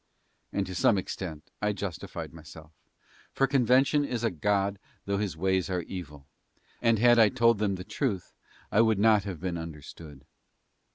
And to some extent I justified myself, for Convention is a god though his ways are evil; and had I told them the truth I would not have been understood.